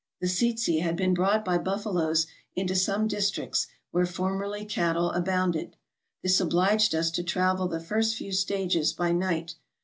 The tsetse had been brought by buffaloes into some districts where formerly cattle abounded. This obliged us to travel the first few stages by night.